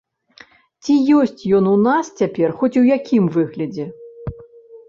Ці ёсць ён у нас цяпер хоць у якім выглядзе?